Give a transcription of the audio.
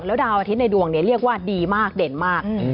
แล้วดาวอาทิตย์ในดวงเนี่ยเรียกว่าดีมากเด่นมากอืม